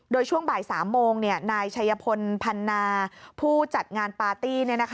โดยช่วงบ่าย๓โมงนายชัยพลพันนาผู้จัดงานปาร์ตี้